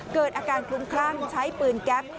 เกิดอาการคลุ้มคลั่งใช้ปืนแก๊ป